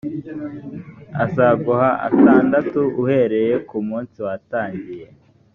azaguha atandatu uhereye ku munsi watangiye.